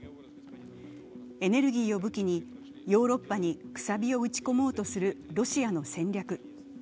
エネルギーを武器に、ヨーロッパにくさびを打ち込もうとするロシアの戦略。